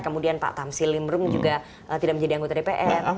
kemudian pak tamsi limrum juga tidak menjadi anggota dpr